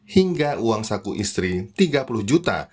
hingga uang saku istri tiga puluh juta